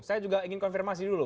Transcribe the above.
saya juga ingin konfirmasi dulu